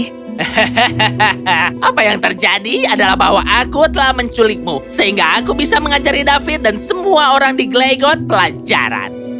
hehehe apa yang terjadi adalah bahwa aku telah menculikmu sehingga aku bisa mengajari david dan semua orang di glegot pelajaran